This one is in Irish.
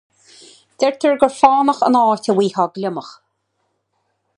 Deirtear gur fánach an áit a bhfaighfeá gliomach.